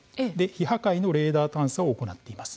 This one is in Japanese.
非破壊のレーダー探査を行っているんです。